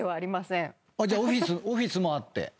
じゃあオフィスもあって？